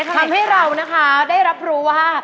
ทำให้เรานะคะได้รับรู้ว่า